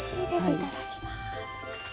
いただきます。